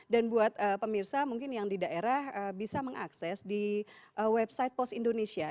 dan buat pemirsa mungkin yang di daerah bisa mengakses di website post indonesia